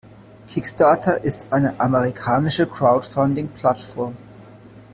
Kickstarter ist eine amerikanische Crowdfunding-Plattform.